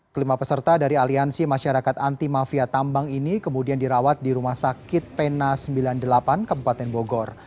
kelima peserta dari aliansi masyarakat anti mafia tambang ini kemudian dirawat di rumah sakit pena sembilan puluh delapan kabupaten bogor